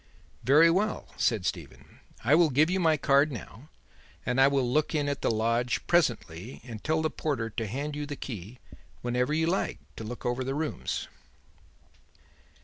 "Very well," said Stephen. "I will give you my card now, and I will look in at the lodge presently and tell the porter to hand you the key whenever you like to look over the rooms."